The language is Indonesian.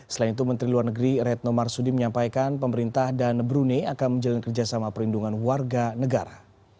selain itu menteri luar negeri retno marsudi menyampaikan pemerintah dan brunei akan menjalin kerjasama perlindungan warga negara